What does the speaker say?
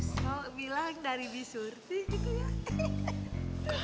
kalau bilang dari bisur sih